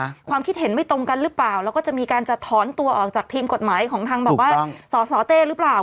ความคิดเห็นไม่ตรงกันหรือเปล่าแล้วก็จะมีการจะถอนตัวออกจากทีมกฎหมายของทางแบบว่าสสเต้หรือเปล่า